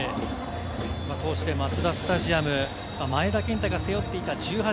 こうしてマツダスタジアム、前田健太が背負っていた１８。